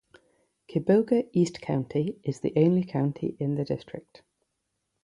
Kiboga East County is the only county in the district.